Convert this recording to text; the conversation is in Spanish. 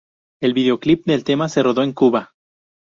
El videoclip del tema se rodó en Cuba.